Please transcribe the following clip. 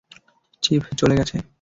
Chief, চলে গেছে।